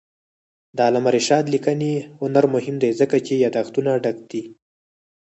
د علامه رشاد لیکنی هنر مهم دی ځکه چې یادښتونه ډک دي.